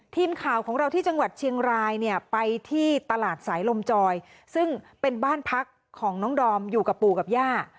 ทีมข่าวของเราที่จังหวัดเชียงรายเนี่ยไปที่ตลาดสายลมจอยซึ่งเป็นบ้านพักของน้องดอมอยู่กับปู่กับย่า